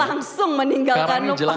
langsung meninggalkan ubah panggung debat